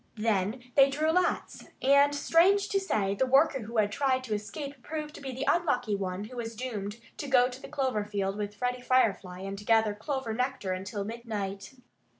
Then they drew lots. And strange to say, the worker who had tried to escape proved to be the unlucky one who was doomed to go to the clover field with Freddie Firefly and gather clover nectar until midnight.